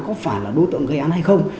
có phải là đối tượng gây án hay không